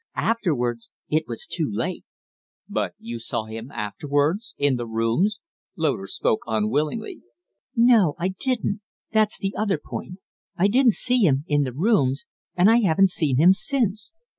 Afterwards it was too late." "But you saw him afterwards in the rooms?" Loder spoke unwillingly. "No, I didn't that's the other point. I didn't see him in the rooms, and I haven't seen him since.